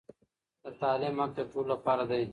د تعليم حق د ټولو لپاره دی.